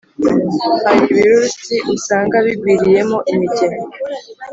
hari ibirursi usanga bigwiriyemo imigemo